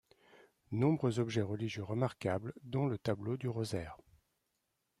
Nombreux objets religieux remarquables, dont le tableau du Rosaire.